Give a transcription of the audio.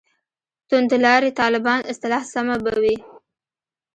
«توندلاري طالبان» اصطلاح سمه به وي.